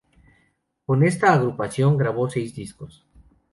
Con esta agrupación grabó seis discos.